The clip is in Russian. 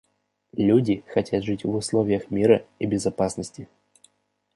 Люди хотят жить в условиях мира и безопасности.